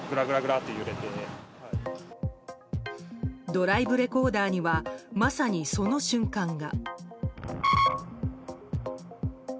ドライブレコーダーにはまさにその瞬間が。